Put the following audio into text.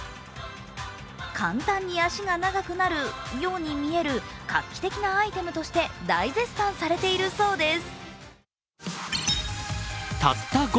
簡単に足が長くなるように見える画期的なアイテムとして大絶賛されているそうです。